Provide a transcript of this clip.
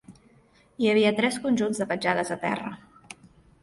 Hi havia tres conjunts de petjades a terra.